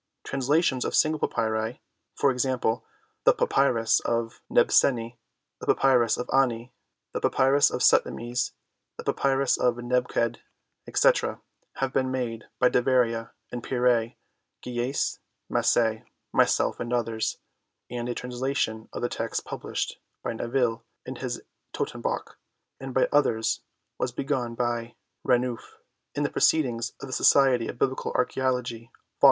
Trans lations of single papyri, e.g., the Papyrus of Nebseni, the Papyrus of Ani, the Papyrus of Sutimes, the Papyrus of Neb qed, etc., have been made by Deveria and Pierret, Guieyesse, Massey, myself, and others ; and a translation of the texts published by Naville in his Todtenbuch, and by others, was begun by Renouf in the Proceedings of the Society of Biblical Archaeology, Vol.